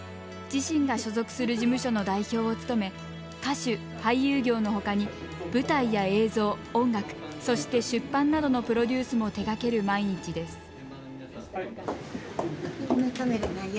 自身が所属する事務所の代表を務め歌手俳優業の他に舞台や映像音楽そして出版などのプロデュースも手がける毎日です。